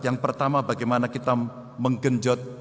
yang pertama bagaimana kita menggenjot